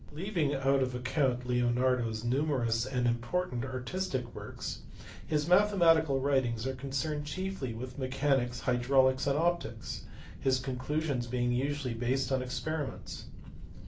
Leaving out of account Leonardo s numerous and important artistic works, his mathematical writings are concerned chiefly with mechanics, hydraulics, and optics his conclusions being usually based on experiments.